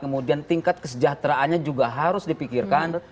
kemudian tingkat kesejahteraannya juga harus dipikirkan